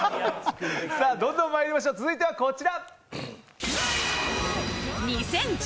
どんどんまいりましょう続いてはこちら。